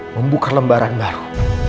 membuka lembaran baru